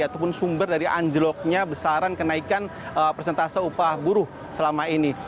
ataupun sumber dari anjloknya besaran kenaikan persentase upah buruh selama ini